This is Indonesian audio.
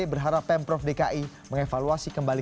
berharap pemprov dki mengevaluasi kembali